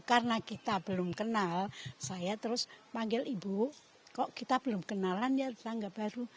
karena kita belum kenal saya terus manggil ibu kok kita belum kenalan ya tetangga baru